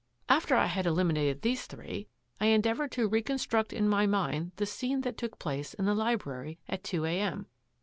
" After I had eliminated these three, I endea voured to reconstruct in my mind the scene that took place in the library at two a. m.